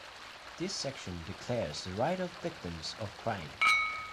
This section declares the rights of victims of crime.